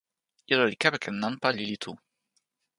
ilo li kepeken nanpa lili tu.